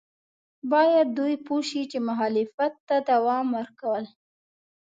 باید دوی پوه شي چې مخالفت ته دوام ورکول.